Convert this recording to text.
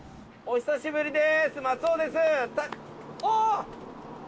久しぶりです。